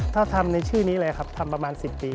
ถ้าทำในชื่อนี้เลยครับทำประมาณ๑๐ปี